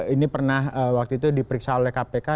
ini pernah waktu itu diperiksa oleh kpk